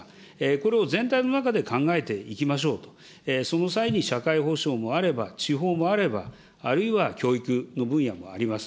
これを全体の中で考えていきましょうと、その際に社会保障もあれば地方もあれば、あるいは教育の分野もあります。